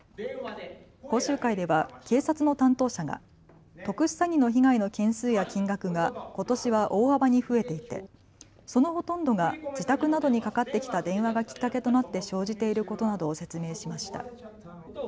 講習会では警察の担当者が特殊詐欺の被害の件数や金額がことしは大幅に増えていてそのほとんどが自宅などにかかってきた電話がきっかけとなって生じていることなどを説明しました。